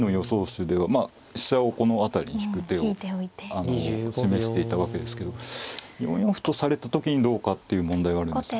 手では飛車をこの辺りに引く手を示していたわけですけど４四歩とされた時にどうかっていう問題があるんです。